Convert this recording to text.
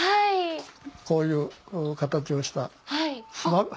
こういう形をした。